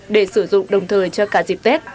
để sử dụng đồng thời cho cả dịp tết